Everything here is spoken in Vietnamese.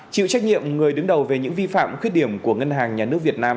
chịu trách nhiệm người đứng đầu về những vi phạm khuyết điểm của ngân hàng nhà nước việt nam